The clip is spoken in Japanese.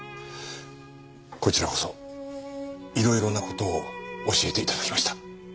こちらこそいろいろな事を教えて頂きました。